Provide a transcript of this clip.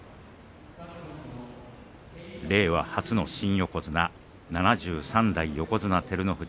令和初の新横綱７３代横綱照ノ富士